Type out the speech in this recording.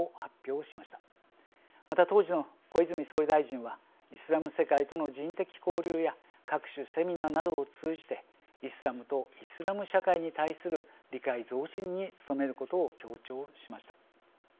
また当時の小泉総理大臣はイスラム世界との人的交流や各種セミナーなどを通じてイスラムとイスラム社会に対する理解増進に努めることを強調しました。